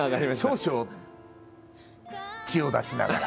少々血を出しながら。